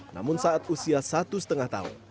namun saat usia satu lima tahun